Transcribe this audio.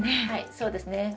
はいそうですね。